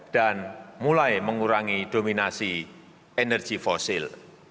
dan mulai mengurangi dominasi energi fosil